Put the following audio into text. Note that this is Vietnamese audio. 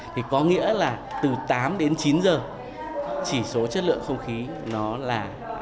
thì có nghĩa là từ tám đến chín giờ chỉ số chất lượng không khí nó là chín mươi